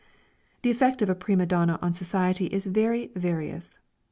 The effect of a prima donna on society is very various.